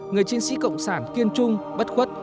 người chiến sĩ cộng sản kiên trung bất khuất